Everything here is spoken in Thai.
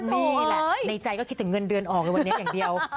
นี่แหละในใจก็คิดถึงเงินเดือนออกเลยวันนี้อย่างเดียว